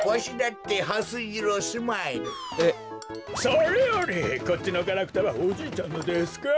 それよりこっちのガラクタはおじいちゃんのですか？